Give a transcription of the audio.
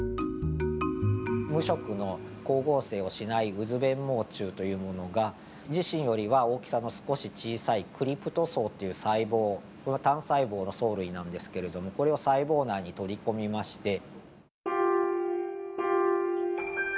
無色の光合成をしない渦鞭毛虫というものが自身よりは大きさの少し小さいクリプト藻っていう細胞単細胞の藻類なんですけれどもこれを細胞内に取り込みまして。